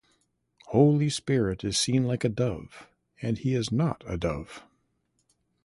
Holy Spirit is seen like a dove and He is not a dove.